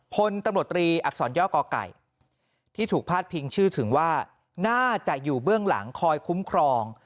พลตำรวจตรีอักษรย่อกไก่ที่ถูกพาดพิงชื่อถึงว่าน่าจะอยู่เบื้องหลังคอยคุ้มครอง